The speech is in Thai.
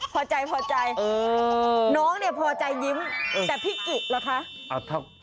พอใจน้องนี่พอใจยิ้มแต่พี่กิ๋เหรอคะ